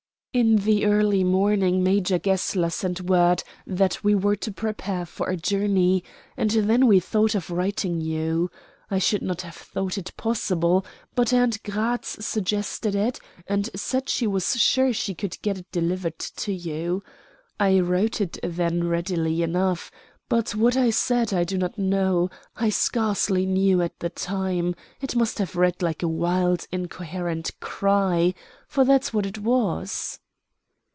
"In the early morning Major Gessler sent word that we were to prepare for a journey, and then we thought of writing you. I should not have thought it possible, but aunt Gratz suggested it, and said that she was sure she could get it delivered to you. I wrote it then readily enough; but what I said I do not know I scarcely knew at the time it must have read like a wild, incoherent cry for that's what it was."